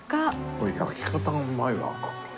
これ焼き方がうまいわ。